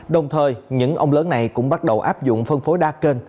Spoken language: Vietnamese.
đồng thời những ông lớn này cũng bắt đầu áp dụng phân phối đa kênh